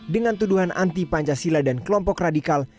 dengan tuduhan anti pancasila dan kelompok radikal